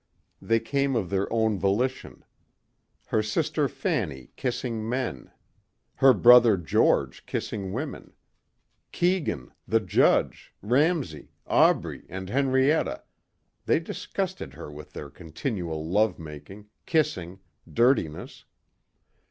They came of their own volition. Her sister Fanny kissing men. Her brother George kissing women. Keegan, the judge, Ramsey, Aubrey and Henrietta they disgusted her with their continual love making, kissing, dirtiness.